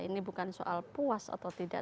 ini bukan soal puas atau tidak